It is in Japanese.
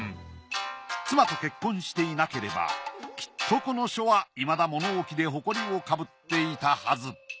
妻と結婚していなければきっとこの書はいまだ物置でほこりをかぶっていたはず。